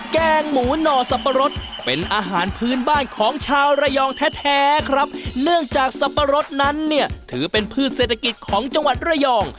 แกงหมูหน่อสับปะรดเป็นอาหารพื้นบ้านของชาวระยองแท้แท้ครับเนื่องจากสับปะรดนั้นเนี่ยถือเป็นพืชเศรษฐกิจของจังหวัดระยอง